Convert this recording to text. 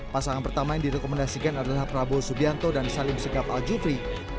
pasangan pertama yang direkomendasikan adalah prabowo subianto dan salim segap al jufri